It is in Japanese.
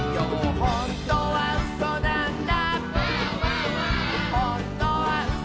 「ほんとにうそなんだ」